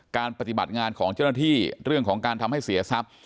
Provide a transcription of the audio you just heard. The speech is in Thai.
ปฏิบัติงานของเจ้าหน้าที่เรื่องของการทำให้เสียทรัพย์